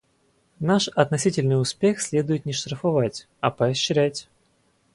Наш относительный успех следует не штрафовать, а поощрять.